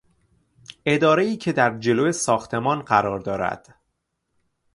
ادارهای که در جلو ساختمان قرار دارد